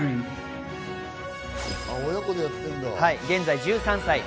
現在１３歳。